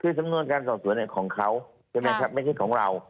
คือสำนวนการส่องสวยของเขาไม่ใช่ของเรา